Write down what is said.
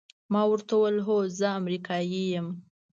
ما ورته وویل: هو، زه امریکایی یم.